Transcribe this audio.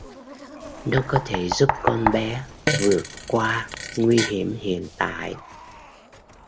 Nó có thể giúp con bé Vượt Qua Nguy hiểm hiện tại